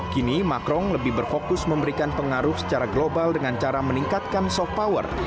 kini macron lebih berfokus memberikan pengaruh secara global dengan cara meningkatkan soft power